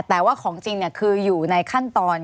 แต่ว่าของจริงคืออยู่ในขั้นตอน